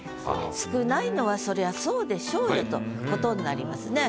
少ないのはそりゃそうでしょうよということになりますね。